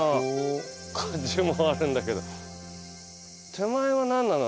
手前は何なの？